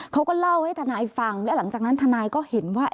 เขาก็เล่าให้ทนายฟังและหลังจากนั้นทนายก็เห็นว่า